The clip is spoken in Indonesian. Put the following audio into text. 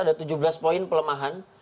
ada tujuh belas poin pelemahan